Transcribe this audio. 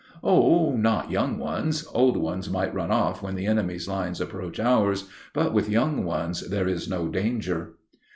"Oh, not young ones. Old ones might run off when the enemy's lines approach ours, but with young ones there is no danger."